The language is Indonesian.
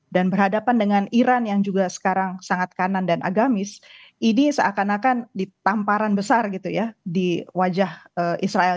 dan berhadapan dengan iran yang juga sekarang sangat kanan dan agamis ini seakan akan ditamparan besar gitu ya di wajah israel